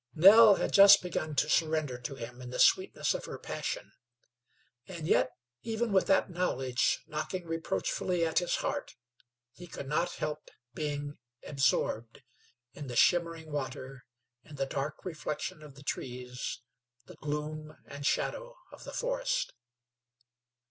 Nell had just begun to surrender to him in the sweetness of her passion; and yet even with that knowledge knocking reproachfully at his heart, he could not help being absorbed in the shimmering water, in the dark reflection of the trees, the gloom and shadow of the forest.